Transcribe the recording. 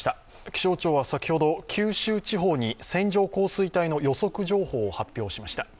気象庁は先ほど、九州地方に線状降水帯の予測情報を発表しました。